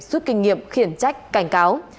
xuất kinh nghiệm khiển trách cảnh cáo